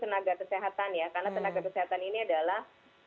dan wabih khusus tenaga kesehatan ya karena tenaga kesehatan ini adalah